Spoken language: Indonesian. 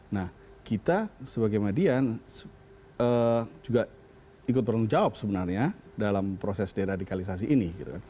nah kita sebagai median juga ikut bertanggung jawab sebenarnya dalam proses deradikalisasi ini